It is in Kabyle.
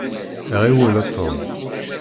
Ɣiwel a Tom.